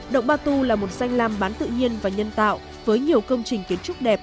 động batu là một danh làm bán tự nhiên và nhân tạo với nhiều công trình kiến trúc đẹp